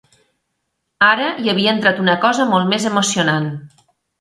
Ara hi havia entrat una cosa molt més emocionant.